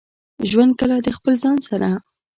ژوند کله د خپل ځان سره.